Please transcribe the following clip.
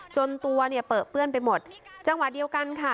จนตัวเนี่ยเปลือเปื้อนไปหมดจังหวะเดียวกันค่ะ